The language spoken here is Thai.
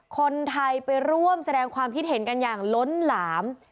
คนไทยไปร่วมแสดงความคิดเห็นกันอย่างล้นหลาม